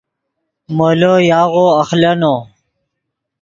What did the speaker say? مولو یاغو اخلینو